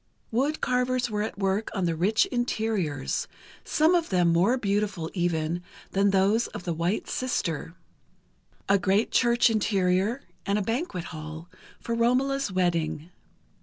Wood carvers were at work on the rich interiors, some of them more beautiful, even, than those of "The White Sister": a great church interior, and a banquet hall, for Romola's wedding.